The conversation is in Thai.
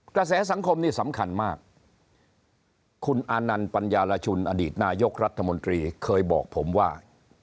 กระแสสังคมนี่สำคัญมากคุณอานันต์ปัญญารชุนอดีตนายกรัฐมนตรีเคยบอกผมว่า